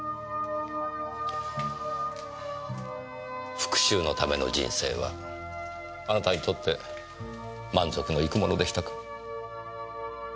復讐のための人生はあなたにとって満足のいくものでしたか？